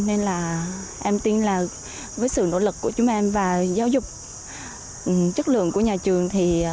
em tin là với sự nỗ lực của chúng em và giáo dục chất lượng của nhà trường